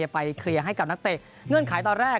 ไปเคลียร์ให้กับนักเตะเงื่อนไขตอนแรก